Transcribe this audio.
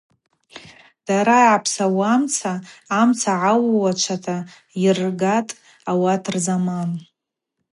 Дара йгӏапсауамца, амца гӏаууачвата йыргатӏ ауат рзаман.